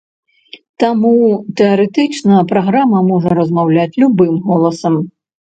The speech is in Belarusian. Таму тэарэтычна праграма можа размаўляць любым голасам.